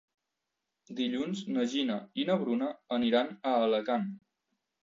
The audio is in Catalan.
Dilluns na Gina i na Bruna aniran a Alacant.